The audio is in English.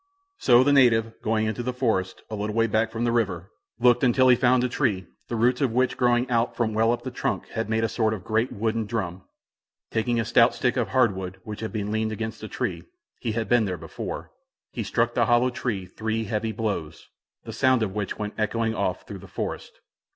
So the native, going into the forest, a little way back from the river, looked until he found a tree the roots of which growing out from well up the trunk had made a sort of great wooden drum. Taking a stout stick of hard wood which had been leaned against the tree, he had been there before, he struck the hollow tree three heavy blows, the sound of which went echoing off through the forest.